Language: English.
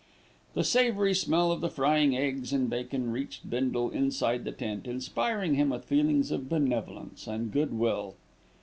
The savoury smell of the frying eggs and bacon reached Bindle inside the tent, inspiring him with feelings of benevolence and good will.